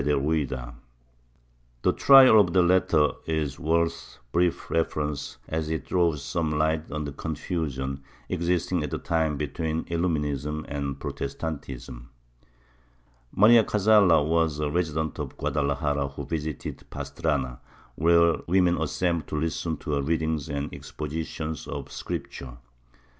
^'] CONNECTION WITH PROTESTANTISM 13 brief reference as it throws some light on the confusion existing at the time between Illuminism and Protestantism. Maria Cazalla was a resident of Guadalajara who visited Pas trana, where women assembled to listen to her readings and expositions of Scripture.